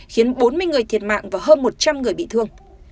khiến bốn mươi người thiệt mạng và hơn một trăm linh người bị thương